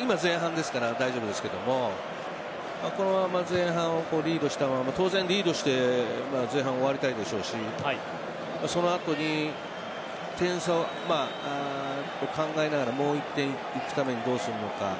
今、前半ですから大丈夫ですけれどもこのまま前半をリードしながら当然リードして前半、終わりたいでしょうしそのあとに点差考えながら、もう１点いくためにどうするのか。